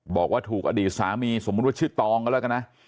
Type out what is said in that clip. บอกว่าถูกอดีตสามีสมมุติว่าชื่อตองก็แล้วกันนะ